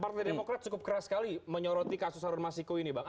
partai demokrat cukup keras sekali menyoroti kasus harun masiku ini bang